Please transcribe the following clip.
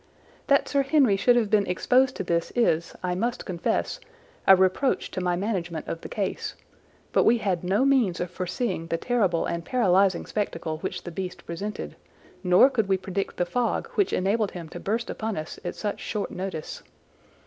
That Sir Henry should have been exposed to this is, I must confess, a reproach to my management of the case, but we had no means of foreseeing the terrible and paralyzing spectacle which the beast presented, nor could we predict the fog which enabled him to burst upon us at such short notice.